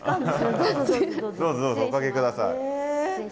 どうぞどうぞお掛け下さい。